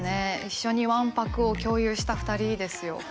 一緒にわんぱくを共有した２人ですよ